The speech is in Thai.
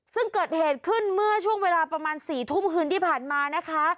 ซึ่งเกิดเหตุขึ้นเมื่อช่วงเวลาประมาณ๔ทุ่มคืนที่ผ่านมานะคะ